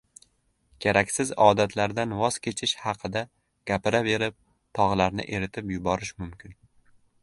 Keraksiz odatlardan voz kechish haqida gapiraverib tog‘larni eritib yuborish mumkin.